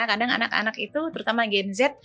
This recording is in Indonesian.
kadang anak anak itu terutama gen z